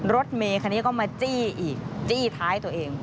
รถเมคันนี้ก็มาจี้อีกจี้ท้ายตัวเอง